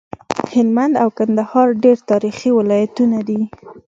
هلمند او کندهار ډير تاريخي ولايتونه دي